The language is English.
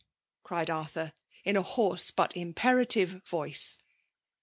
*" cried Arthur, in a hoarse but im perative voice.